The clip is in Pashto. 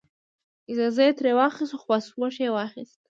اجازه یې ترې واخیسته خو پاسپورټ یې واخیست.